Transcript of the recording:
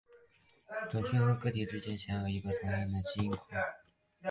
种群的个体之间一般享有同一个基因库。